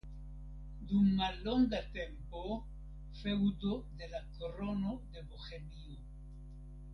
Dum mallonga tempo feŭdo de la Krono de Bohemio.